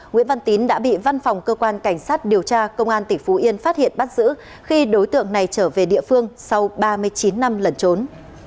nguyễn văn tín đã bị văn phòng cơ quan cảnh sát điều tra công an tỉnh phú yên phát hiện bắt giữ khi đối tượng này trở về địa phương sau ba mươi chín năm lẩn trốn